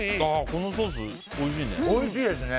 このソース、おいしいね。